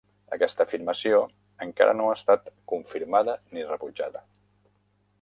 Aquesta afirmació encara no ha estat confirmada ni rebutjada.